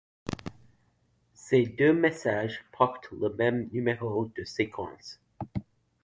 Ces deux messages portent le même numéro de séquence.